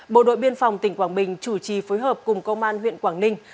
bộ đội biên phòng tỉnh quảng bình chủ trì phối hợp cùng công an huyện quảng ninh